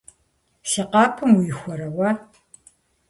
- Си къэпым уихуэрэ уэ?